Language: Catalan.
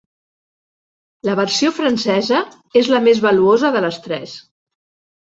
La versió francesa és la més valuosa de les tres.